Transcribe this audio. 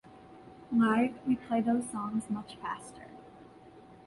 Live we play those songs much faster.